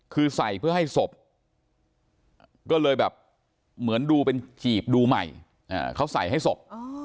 คือใส่เพื่อให้ศพก็เลยแบบเหมือนดูเป็นจีบดูใหม่เขาใส่ให้ศพ